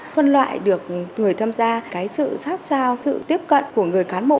phân loại được người tham gia cái sự sát sao sự tiếp cận của người cán bộ